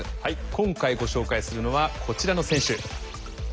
今回ご紹介するのはこちらの選手。